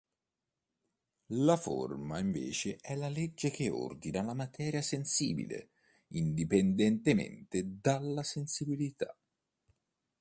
La forma invece è la legge che ordina la materia sensibile indipendentemente dalla sensibilità.